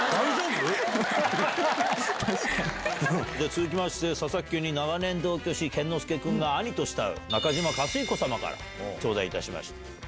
続きまして、佐々木家に長年同居し、健之介君が兄と慕う中嶋勝彦様からちょうだいいたしました。